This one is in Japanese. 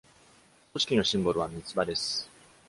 組織のシンボルは三つ葉です。